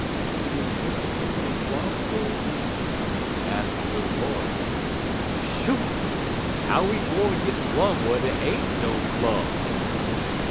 "Did he get the Pimmerly Plum, Uncle Remus?" asked the little boy. "Shoo! How he gwine git plum whar dey ain't no plum?"